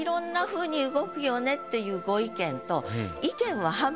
っていうご意見と。